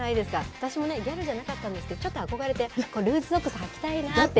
私もね、ギャルじゃなかったんですけど、ちょっと憧れて、ルーズソックスはきたいなって。